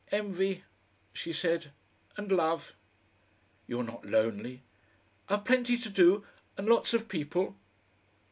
"Envy," she said, "and love." "You're not lonely?" "I've plenty to do and lots of people."